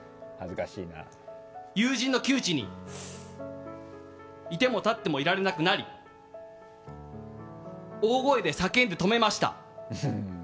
友人の窮地にいても立ってもいられなくなり大声で叫んで止めました。